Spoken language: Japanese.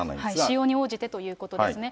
使用に応じてということですが。